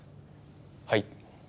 はい。